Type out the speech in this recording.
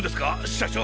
社長。